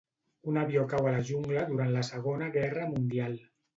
Un avió cau a la jungla durant la Segona Guerra mundial.